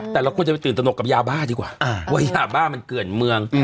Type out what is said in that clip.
แต่เราควรจะไปตื่นตนกกับยาบ้าดีกว่าว่ายาบ้ามันเกินเมือง